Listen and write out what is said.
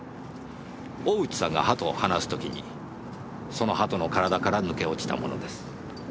大内さんが鳩を放す時にその鳩の体から抜け落ちたものです。